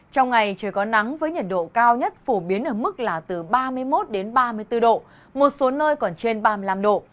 trong ngày trời có nắng với nhiệt độ cao nhất phổ biến ở mức là từ ba mươi một đến ba mươi bốn độ một số nơi còn trên ba mươi năm độ